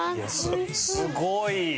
すごい！